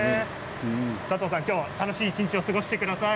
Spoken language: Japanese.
佐藤さん、今日は楽しい一日を過ごしてください。